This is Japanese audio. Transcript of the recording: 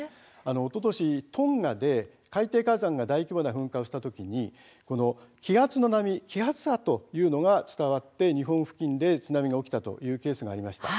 おととしトンガで海底火山が大規模な噴火をした時気圧波が伝わって、日本付近で津波が起きたというケースがありました。